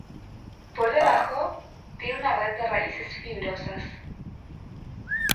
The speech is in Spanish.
Por debajo, tiene una red de raíces fibrosas.